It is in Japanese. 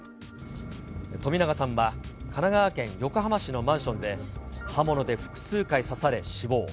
冨永さんは神奈川県横浜市のマンションで、刃物で複数回刺され、死亡。